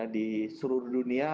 di seluruh dunia